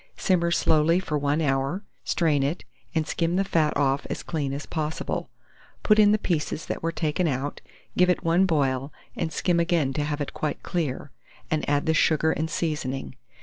Simmer slowly for 1 hour, strain it, and skim the fat off as clean as possible; put in the pieces that were taken out, give it one boil, and skim again to have it quite clear, and add the sugar and seasoning.